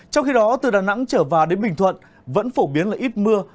trong khi đó từ đà nẵng trở vào đến bình thuận vẫn phổ biến là ít mưa